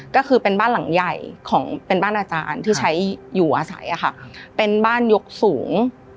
ก็คือเป็นบ้านหลังใหญ่ของเป็นบ้านอาจารย์ที่ใช้อยู่อาศัยเป็นบ้านยกสูง